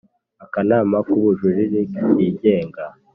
Akanama k Ubujurire Kigenga